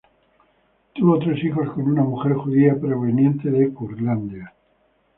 Tuvo tres hijos con una mujer judía proveniente de Curlandia.